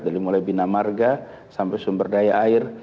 dari mulai bina marga sampai sumber daya air